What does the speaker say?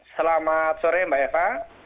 selamat sore mbak eva